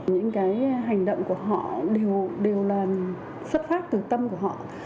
những cái hành động của họ đều là xuất phát từ tâm của họ